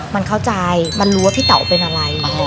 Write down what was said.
มันเข้าใจมันรู้ว่าพี่เต๋าเป็นอะไร